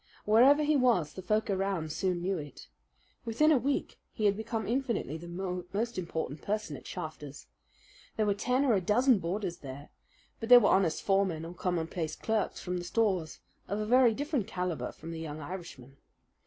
Wherever he was the folk around soon knew it. Within a week he had become infinitely the most important person at Shafter's. There were ten or a dozen boarders there; but they were honest foremen or commonplace clerks from the stores, of a very different calibre from the young Irishman.